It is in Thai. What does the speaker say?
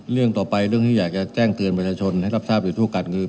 เรื่องต่อไปเรื่องที่อยากจะแจ้งเตือนประชาชนให้รับทราบอยู่ทั่วกันคือ